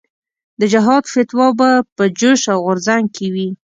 د جهاد فتوا به په جوش او غورځنګ کې وي.